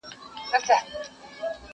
دا نفرتونه ځان ځانۍ به له سینې و باسو,